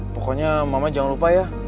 pokoknya mama jangan lupa ya